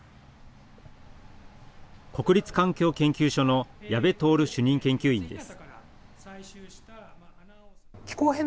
国立環境研究所の矢部徹主任研究員です。